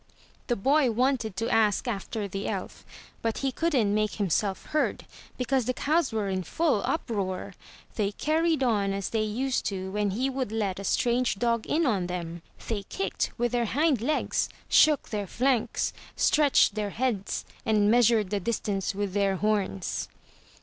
The boy wanted to ask after the elf, but he couldn't make himself heard because the cows were in full uproar. They carried on as they used to when he would let a strange dog in on them. They kicked with their hind legs, shook their flanks, stretched their heads, and measured the distance with their horns.